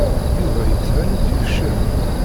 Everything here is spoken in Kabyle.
Yuba yettban-d yefcel.